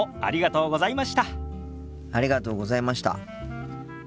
ありがとうございます。